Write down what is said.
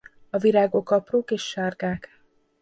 A virágok aprók és sárgák.